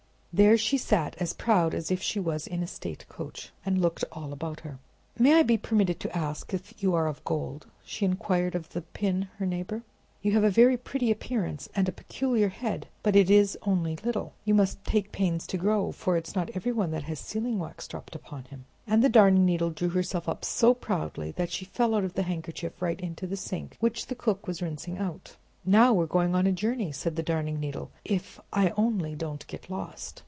There she sat, as proud as if she was in a state coach, and looked all about her. "May I be permitted to ask if you are of gold?" she inquired of the pin, her neighbor. "You have a very pretty appearance, and a peculiar head, but it is only little. You must take pains to grow, for it's not everyone that has sealing wax dropped upon him." And the Darning Needle drew herself up so proudly that she fell out of the handkerchief right into the sink, which the cook was rinsing out. "Now we're going on a journey," said the Darning Needle. "If I only don't get lost!"